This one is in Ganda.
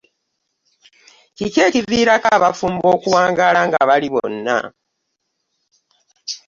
Kiki ekivirako abafumbo okuwangala nga bali bwona?